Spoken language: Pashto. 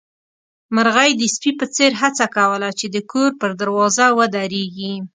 مرغۍ د سپي په څېر هڅه کوله چې د کور پر دروازه ودرېږي.